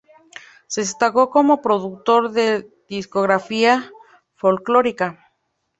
Se destacó como productor de discografía folclórica.